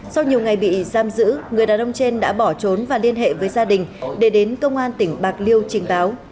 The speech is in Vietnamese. sau nhiều ngày bị giam giữ người đàn ông trên đã bỏ trốn và liên hệ với gia đình để đến công an tỉnh bạc liêu trình báo